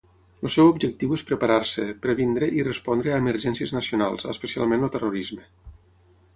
El seu objectiu és preparar-se, prevenir i respondre a emergències nacionals, especialment el terrorisme.